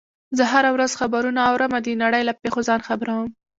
زه هره ورځ خبرونه اورم او د نړۍ له پیښو ځان خبر وم